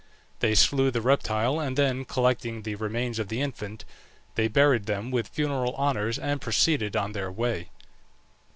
They slew the reptile, and then collecting the remains of the infant, they buried them with funereal honours and proceeded on their way.